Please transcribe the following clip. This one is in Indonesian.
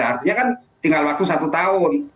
artinya kan tinggal waktu satu tahun